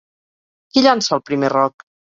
Qui llança el primer roc?